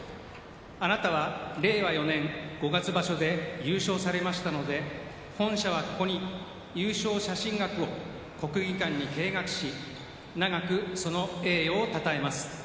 あなたは令和４年五月場所で優勝されましたので本社は、ここに優勝写真額を国技館に掲額し永くその栄誉をたたえます。